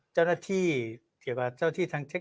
เจ้าหน้าที่เกี่ยวกับเจ้าที่ทางเทค